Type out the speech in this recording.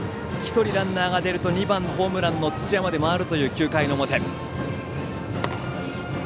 １人、ランナーが出ると２番、ホームランを打った土屋まで回るという９回の表。